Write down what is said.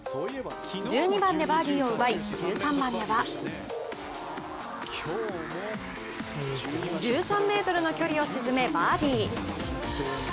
１２番でバーディーを奪い、１３番では、１３ｍの距離を沈めバーディー。